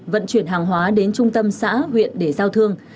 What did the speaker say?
vận chuyển hàng hóa đến trung tâm xã huyện để giao thương